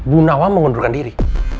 bu nawang mengundurkan diri